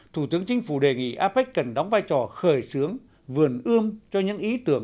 thủ tướng chính phủ đề nghị apec cần đóng vai trò khởi xướng vườn ươm cho những ý tưởng